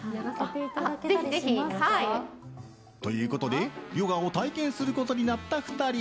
ということでヨガを体験することになった２人。